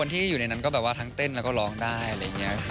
ที่อยู่ในนั้นก็แบบว่าทั้งเต้นแล้วก็ร้องได้อะไรอย่างนี้